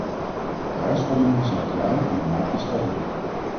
De prijsschommelingen zijn klein en de markt is stabiel.